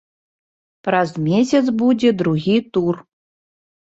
Праз месяц будзе другі тур.